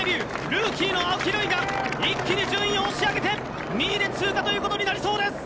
ルーキーの青木瑠郁が一気に順位を押し上げて２位で通過となりそうです。